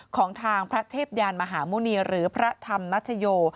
ของทางพระเทพยานมหาหมุณีหรือพระธรรมนัชโย